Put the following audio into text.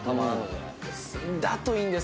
だといいんですけどね。